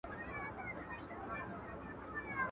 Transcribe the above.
چي سپى د دنيا نه سې، د دنيا خاوند به نه سې.